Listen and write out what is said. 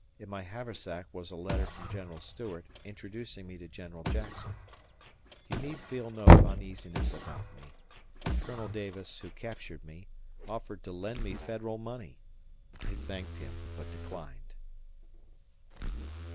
In my haversack was a letter from General Stuart introducing me to General Jackson. You need feel no uneasiness about me. ... Colonel Davis, who captured me, offered to lend me Federal money. I thanked him, but declined.